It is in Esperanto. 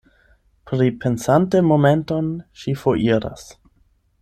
Pripensante momenton, ŝi foriras.